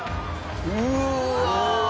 うわ！